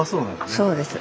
そうです。